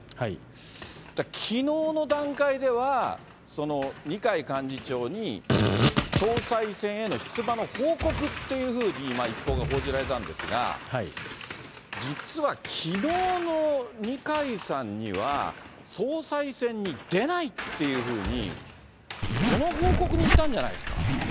だからきのうの段階では、二階幹事長に総裁選への出馬の報告っていうふうに、一報が報じられたんですが、実はきのうの二階さんには、総裁選に出ないっていうふうに、その報告に行ったんじゃないですか？